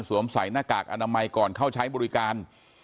ใส่หน้ากากอนามัยก่อนเข้าใช้บริการ